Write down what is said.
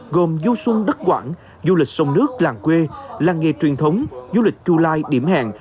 gồm du xuân đất quảng du lịch sông nước làng quê làng nghề truyền thống du lịch chu lai điểm hẹn